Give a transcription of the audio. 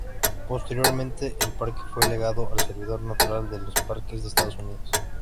Posteriormente, el parque fue legado al Servicio Natural de Parques de Estados Unidos.